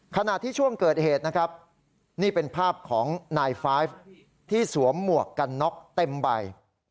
ขณะที่ช่วงเกิดเหตุนะครับนี่เป็นภาพของนายไฟฟ์ที่สวมหมวกกันน็อกเต็มใบ